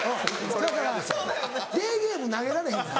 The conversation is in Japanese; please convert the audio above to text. だからデーゲーム投げられへんやん。